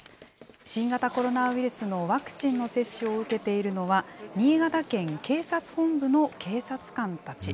新型コロナウイルスのワクチンの接種を受けているのは、新潟県警察本部の警察官たち。